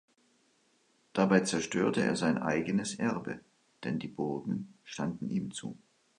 Dabei zerstörte er sein eigenes Erbe, denn die Burgen standen ihm zu.